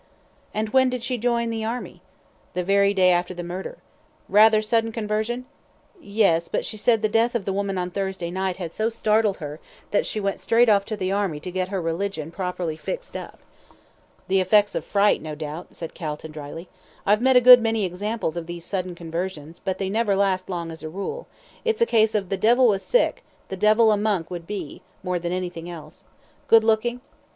"And when did she join the Army?" "The very day after the murder." "Rather sudden conversion?" "Yes, but she said the death of the woman on Thursday night had so startled her, that she went straight off to the Army to get her religion properly fixed up." "The effects of fright, no doubt," said Calton, dryly. "I've met a good many examples of these sudden conversions, but they never last long as a rule it's a case of 'the devil was sick, the devil a monk would be,' more than anything else. Good looking?"